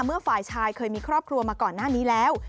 ฝ่ายชายเคยมีครอบครัวมาก่อนหน้านี้แล้ว